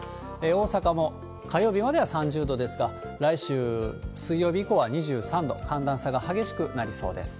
大阪も火曜日までは３０度ですが、来週水曜日以降は２３度、寒暖差が激しくなりそうです。